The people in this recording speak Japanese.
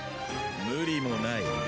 無理もない。